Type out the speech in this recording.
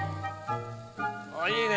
あっいいね！